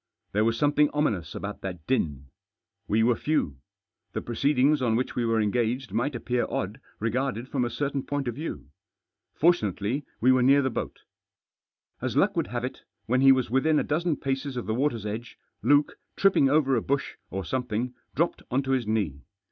There was something ominous about that din. We were few. The proceedings on which we were engaged might appear odd regarded from a certain point of view. Fortunately, we were near the boat As luck would have it, when he was within a dozen paces of the water's edge, Luke, tripping over a bush, or something, dropped on to his knee.